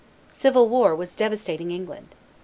Civil war was devastating England.